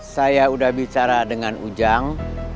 saya sudah bicara dengan ujang